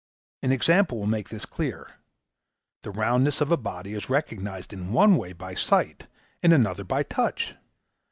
An example will make this clear: the roundness of a body is recognised in one way by sight, in another by touch.